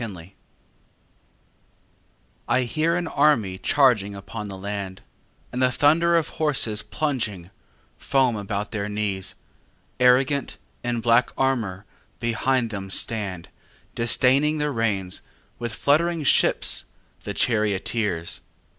XXXVI I hear an army charging upon the land, And the thunder of horses plunging, foam about their knees: Arrogant, in black armour, behind them stand, Disdaining the reins, with fluttering whips, the charioteers.